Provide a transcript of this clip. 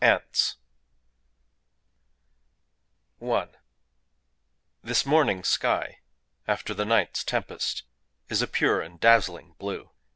ANTS I This morning sky, after the night's tempest, is a pure and dazzling blue.